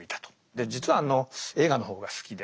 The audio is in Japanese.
で実はあの映画の方が好きで。